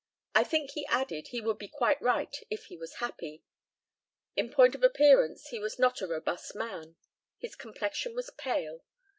I think he added he would be quite right if he was happy. In point of appearance he was not a robust man. His complexion was pale.